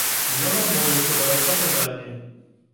Ён адмовіўся даваць паказанні.